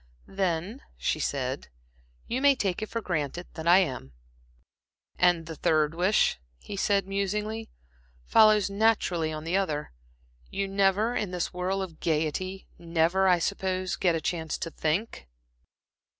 "Then," she said "you may take it for granted that I am." "And the third wish," he said, musingly, "follows naturally on the other. You never, in this whirl of gaiety never, I suppose, get a chance to think?"